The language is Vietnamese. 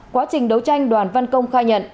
quá trình đấu tranh đoàn văn công khai nhận